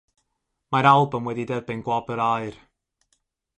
Mae'r albwm wedi derbyn gwobr aur.